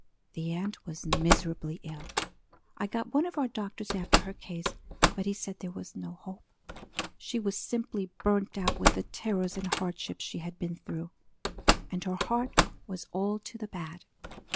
The aunt was miserably ill. I got one of our doctors after her case, but he said there was no hope. She was simply burned out with the terrors and hardships she had been through. And her heart was all to the bad.